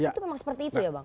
itu memang seperti itu ya bang